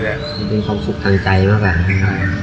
ก็คือขอบสุขทางใจมาก่อน